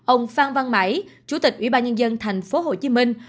ông phan văn mãi chủ tịch ủy ban nhân dân thành phố hồ chí minh